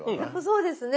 そうですね。